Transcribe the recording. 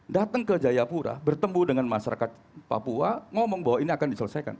datang ke jayapura bertemu dengan masyarakat papua ngomong bahwa ini akan diselesaikan